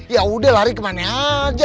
ya udah lari kemana aja